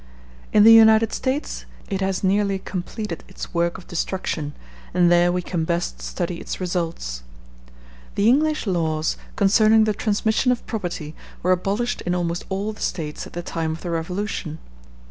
In the United States it has nearly completed its work of destruction, and there we can best study its results. The English laws concerning the transmission of property were abolished in almost all the States at the time of the Revolution.